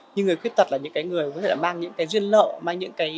nhưng người khuyết tật là những người có thể mang những duyên lợi